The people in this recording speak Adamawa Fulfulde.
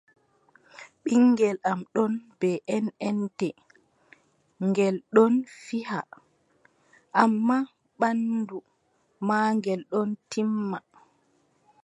Ɓinngel am ɗon bee enʼente, ngel ɗon fija ammaa ɓanndu maagel ɗon timma.